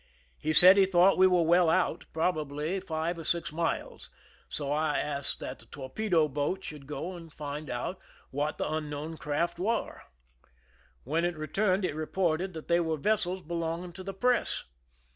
He said he thought we ^\^ere well out, probably five or six miles, so I asked that the torpedo boat should go and find out what the unknown craft were. When it re turned it reported that they were vessels belonging to the press.